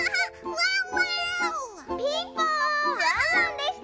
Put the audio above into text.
ワンワンでした！